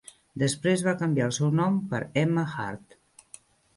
Després va canviar el seu nom per Emma Hart.